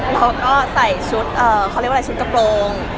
เราก็ใส่ชุดเขาเรียกว่าอะไรชุดกระโปรง